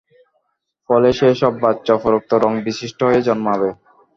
ফলে সে সব বাচ্চা উপরোক্ত রং-বিশিষ্ট হয়ে জন্মাবে।